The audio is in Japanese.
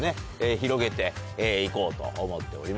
広げて行こうと思っております。